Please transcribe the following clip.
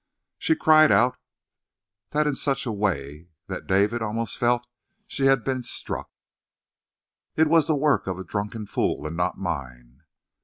She cried out at that in such a way that David almost felt she had been struck. "It was the work of a drunken fool, and not mine."